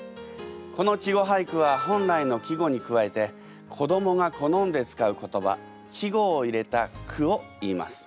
この稚語俳句は本来の季語に加えて子どもが好んで使う言葉稚語を入れた句をいいます。